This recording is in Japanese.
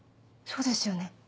そうですよね。